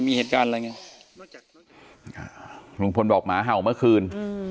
มีเหตุการณ์อะไรไงลุงพลบอกหมาเห่าเมื่อคืน